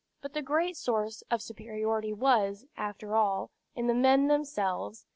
But the great source of superiority was, after all, in the men themselves.